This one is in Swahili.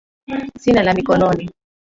Sina la mikononi,